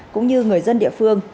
cũng như người dân địa phương